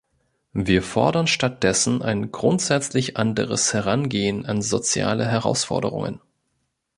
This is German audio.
Wir fordern stattdessen ein grundsätzlich anderes Herangehen an soziale Herausforderungen.